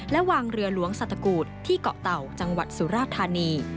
และวางเรือหลวงสัตกูธที่เกาะเต่าจังหวัดสุราธานี